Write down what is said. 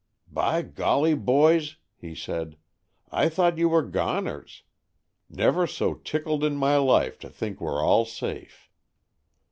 "By golly,' boys," he said, "I thought you were goners. Never so tickled in my life to think we're all safe."